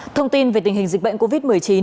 thông tin về tình hình dịch bệnh covid một mươi chín